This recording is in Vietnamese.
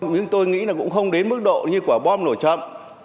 nhưng tôi nghĩ là cũng không đến mức độ như quả bom nổ chậm